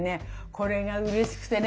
これがうれしくてね